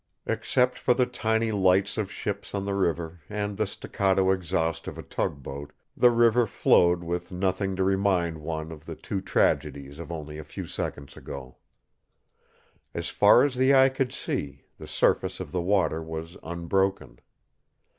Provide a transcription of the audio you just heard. Except for the tiny lights of ships on the river and the staccato exhaust of a tugboat, the river flowed with nothing to remind one of the two tragedies of only a few seconds ago. As far as the eye could see, the surface of the water was unbroken.